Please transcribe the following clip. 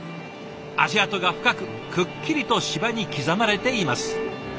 足跡が深くくっきりと芝に刻まれています。